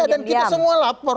iya dan kita semua lapor